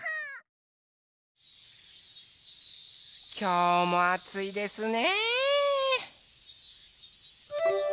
きょうもあついですね！